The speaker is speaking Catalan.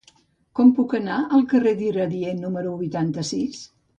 Com puc anar al carrer d'Iradier número vuitanta-sis?